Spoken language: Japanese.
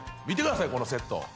見てくださいこのセット。